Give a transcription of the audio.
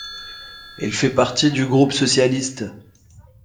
Elle fait partie du groupe socialiste.